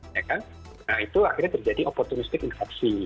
nah itu akhirnya terjadi opportunistik infeksi